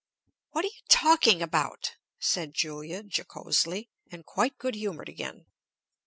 "What are you talking about?" said Julia, jocosely, and quite good humored again.